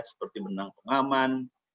seperti menang pengaman